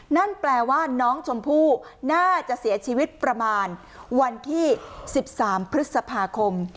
นั่นแปลว่าน้องชมพู่น่าจะเสียชีวิตประมาณวันที่๑๓พฤษภาคม